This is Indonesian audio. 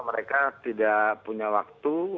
mereka tidak punya waktu